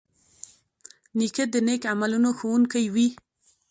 نیکه د نیک عملونو ښوونکی وي.